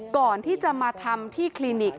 ก่อนที่จะมาทำที่คลินิก